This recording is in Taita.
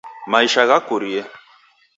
Maisha ghakurie.